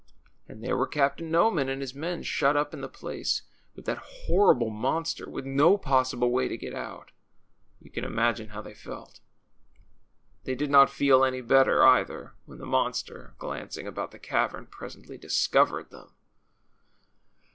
And there were Captain Noman and his men, shut up in the place with that horrible monster, with no possible way to get out. You can imagine how they felt. They did not feel any better either when the monster, glancing about the cavern, presently discovered them.